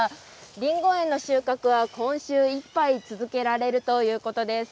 りんご園の収穫は今週いっぱい続けられるということです。